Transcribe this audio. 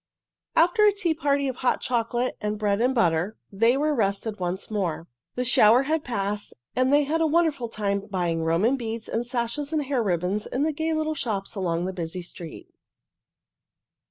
After a tea party of hot chocolate and bread and butter, they were rested once more. The shower had passed, and they had a wonderful time buying Roman beads and sashes and hair ribbons in the gay little shops along the busy street.